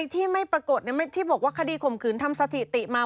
ที่ไม่ปรากฏที่บอกว่าคดีข่มขืนทำสถิติมา